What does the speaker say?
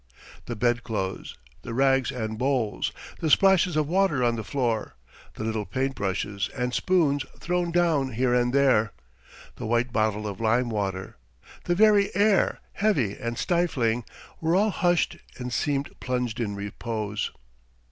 The bedclothes, the rags and bowls, the splashes of water on the floor, the little paint brushes and spoons thrown down here and there, the white bottle of lime water, the very air, heavy and stifling were all hushed and seemed plunged in repose.